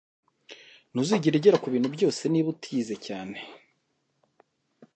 Ntuzigera ugera kubintu byose niba utize cyane